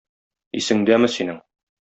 Исеңдәме синең?